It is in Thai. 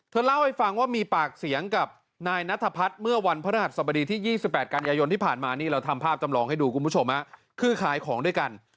เล่าให้ฟังว่ามีปากเสียงกับนายนัทพัฒน์เมื่อวันพระรหัสสบดีที่๒๘กันยายนที่ผ่านมานี่เราทำภาพจำลองให้ดูคุณผู้ชมคือขายของด้วยกัน